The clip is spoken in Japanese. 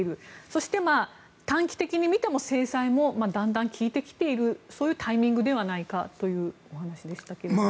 そして、短期的に見ても制裁もだんだん効いてきているそういうタイミングではないかというお話でしたけれど。